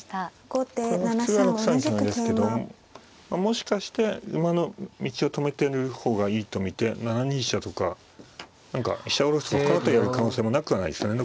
これは普通は６三香成ですけどもしかして馬の道を止めてる方がいいと見て７二飛車とか何か飛車を下ろしてほかの手やる可能性もなくはないですよね。